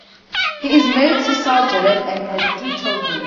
He is married to Sehr Jalal and has three children.